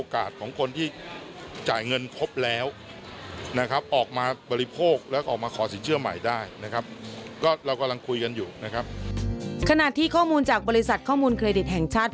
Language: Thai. ขณะที่ข้อมูลจากบริษัทข้อมูลเครดิตแห่งชาติ